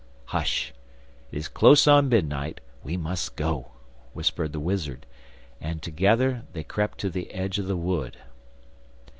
'Hush! it is close on midnight we must go,' whispered the wizard, and together they crept to the edge of the wood.